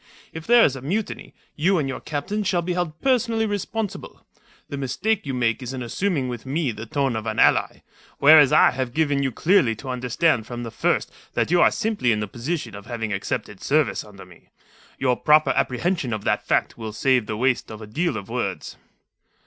If there is a mutiny, you and your captains shall be held personally responsible. The mistake you make is in assuming with me the tone of an ally, whereas I have given you clearly to understand from the first that you are simply in the position of having accepted service under me. Your proper apprehension of that fact will save the waste of a deal of words."